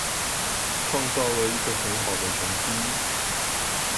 創造了一個很好的成績